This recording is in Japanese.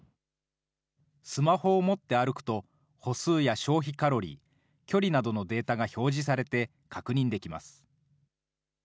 スマホを持って歩くと、歩数や消費カロリー、距離などのデータが表示されて確認できます。